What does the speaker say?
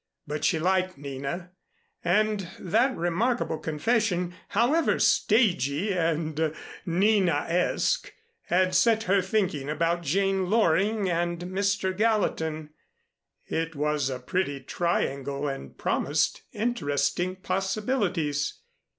But she liked Nina, and that remarkable confession, however stagy and Nina esque, had set her thinking about Jane Loring and Mr. Gallatin. It was a pretty triangle and promised interesting possibilities.